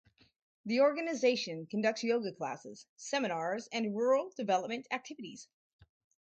The organisation conducts Yoga classes, seminars, and rural development activities.